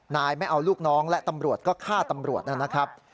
นายไม่เอาลูกน้องและตำรวจก็ฆ่าตำรวจนะครับ